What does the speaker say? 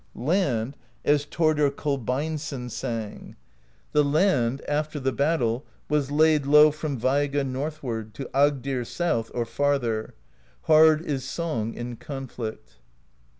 Land, as Thordr Kolbeinsson sang: The Land, after the battle, Was laid low from Veiga northward To Agdir south, or farther: Hard is song in conflict.